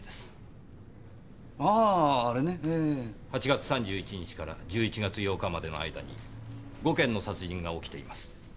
８月３１日から１１月８日までの間に５件の殺人が起きています。